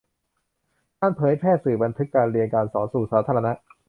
การเผยแพร่สื่อบันทึกการเรียนการสอนสู่สาธารณะ